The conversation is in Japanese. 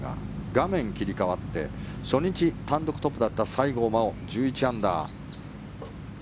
画面切り替わって初日単独トップだった西郷真央１１アンダー。